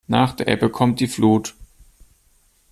Nach der Ebbe kommt die Flut.